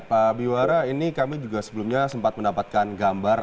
pak biwara ini kami juga sebelumnya sempat mendapatkan gambar